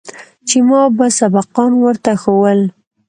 چې ما به سبقان ورته ښوول.